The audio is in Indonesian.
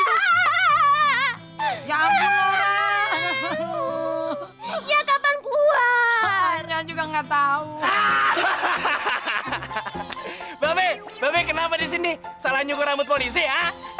bapak bapak kenapa disini salah nyungguh rambut polisi ya